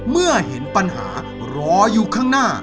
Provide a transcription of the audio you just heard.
เมื่อเห็นปัญหารออยู่ข้างหน้า